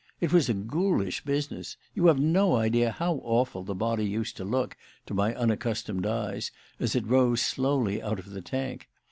It was a ghoulish business. You have no idea how awful the body used to look, to my unaccustomed eyes, as it rose slowly out of the tank.